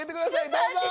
どうぞ！